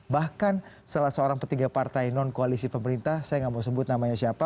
bahkan salah seorang petiga partai non koalisi pemerintah saya nggak mau sebut namanya siapa